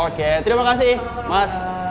oke terima kasih mas